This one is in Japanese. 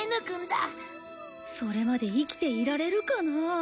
それまで生きていられるかなあ。